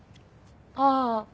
ああ。